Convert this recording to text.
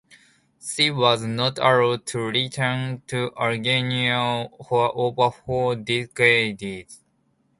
She was not allowed to return to Algeria for over four decades.